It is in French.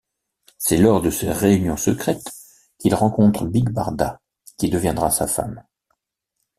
C'est lors de ces réunions secrètes qu'il rencontre Big Barda, qui deviendra sa femme.